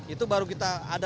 itu baru kita ada